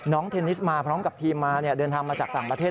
เทนนิสมาพร้อมกับทีมมาเดินทางมาจากต่างประเทศ